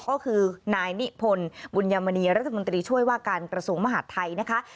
ก็คือนายนิพนธ์บุญยามณีรัฐมนตรีช่วยว่าการกระทรวงมหาดไทยนะคะ